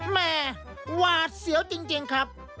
หวาดเสียวจริงครับ